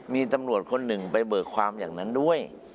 มีตำรวจคนหนึ่งไปเบิกความอย่างนั้นด้วย